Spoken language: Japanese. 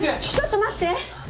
ちょっと待って。